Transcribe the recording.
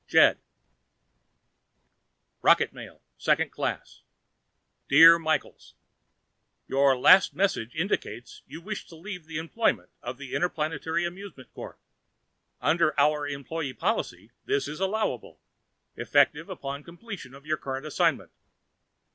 JED ROCKET MAIL (Second Class) Dear Michaels: Your last message indicates you wish to leave the employment of the Interplanetary Amusement Corp. Under our employee policy, this is allowable, effective upon completion of your current assignment.